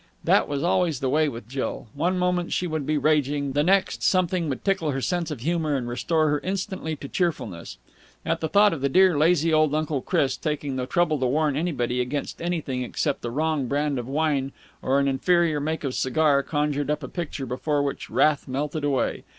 That was always the way with Jill. One moment she would be raging; the next, something would tickle her sense of humour and restore her instantly to cheerfulness. And the thought of dear, lazy old Uncle Chris taking the trouble to warn anybody against anything except the wrong brand of wine or an inferior make of cigar conjured up a picture before which wrath melted away.